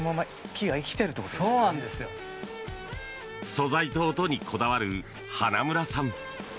素材と音にこだわる花村さん。